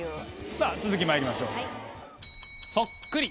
さぁ続きまいりましょう。